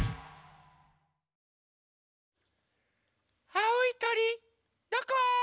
あおいとりどこ？